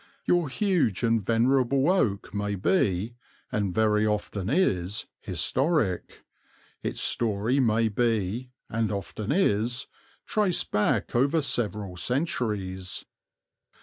Your huge and venerable oak may be, and very often is, historic; its story may be, and often is, traced back over several centuries.